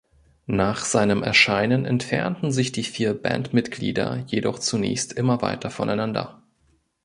Nach seinem Erscheinen entfernten sich die vier Bandmitglieder jedoch zunächst immer weiter voneinander.